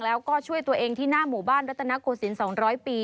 แล้วก็ช่วยตัวเองที่หน้าหมู่บ้านรัตนโกศิลป๒๐๐ปี